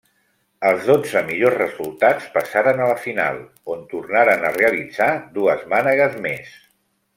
Els dotze millors resultats passaren a la final, on tornaren a realitzar dues mànegues més.